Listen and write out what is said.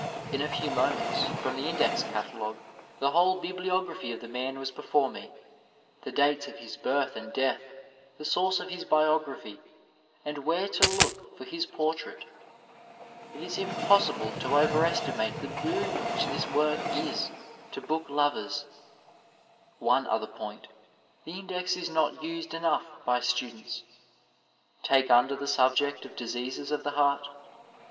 In a few moments from the Index Catalogue the whole bibliography of the man was before me, the dates of his birth and death, the source of his biography, and where to look for his portrait. It is impossible to overestimate the boon which this work is to book lovers. 1 Caii Opera, Jebb's edition. 314 Digitized by Google MEDICAL BIBLIOGRAPHY One othei point — ^the Index is not used enough by students. Take under the subject of diseases of the heart.